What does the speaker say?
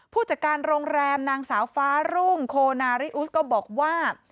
ผู้จัดการโรงแรมนางสาวฟ้ารุ่งโคนาริอุสก็บอกว่า